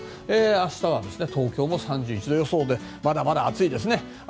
明日は東京も３１度予想でまだまだ暑いですね。